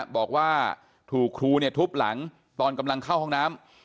บอกว่าถูกครูทุบหลังตอนกำลังเข้าห้องน้ำ